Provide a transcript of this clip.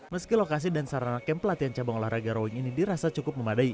meski lokasi dan sarana camp pelatihan cabang olahraga rowing ini dirasa cukup memadai